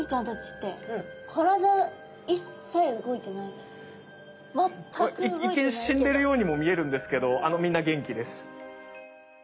一見しんでるようにも見えるんですけどみんな元気です。